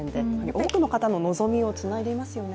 多くの方の望みをつないでいますよね。